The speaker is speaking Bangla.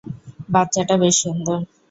বাচ্চাটা বেশ সুন্দর।